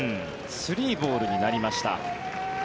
３ボールになりました。